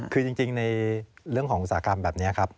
คือจริงในเรื่องของอุตสาหกรรมแบบนี้ครับ